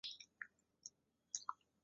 鼻端裸露。